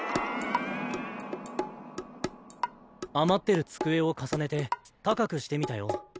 余ってる机を重ねて高くしてみたよ。